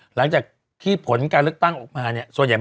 หลังจากที่ผลการเลือกตั้งออกมาเนี่ยส่วนใหญ่